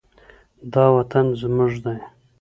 دا وطن زموږ دی.